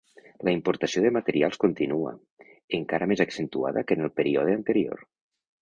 La importació de materials continua, encara més accentuada que en el període anterior.